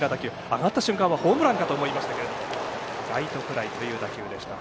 上がった瞬間はホームランかと思いますけれどもライトフライという打球でした。